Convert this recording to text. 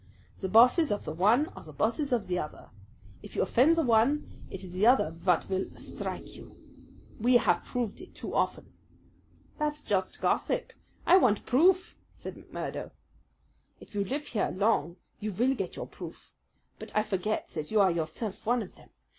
The bosses of the one are the bosses of the other. If you offend the one, it is the other vat vill strike you. We have proved it too often." "That's just gossip I want proof!" said McMurdo. "If you live here long you vill get your proof. But I forget that you are yourself one of them.